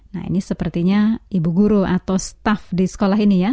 nah ini sepertinya ibu guru atau staff di sekolah ini ya